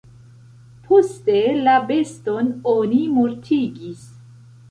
Poste la beston oni mortigis.